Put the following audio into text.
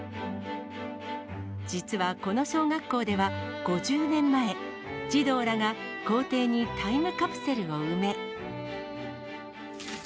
実はこの小学校では、５０年前、児童らが校庭にタイムカプセルを埋め。